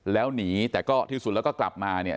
แล้วหนีแต่ก็ที่สุดแล้วก็กลับมาเนี่ย